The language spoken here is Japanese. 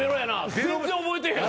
全然覚えてへんわ。